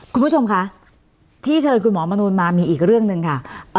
คุณผู้ชมคะที่เชิญคุณหมอมนูลมามีอีกเรื่องหนึ่งค่ะ